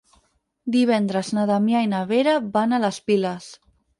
Divendres na Damià i na Vera van a les Piles.